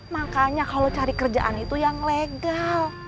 makanya kalau cari kerjaan itu yang legal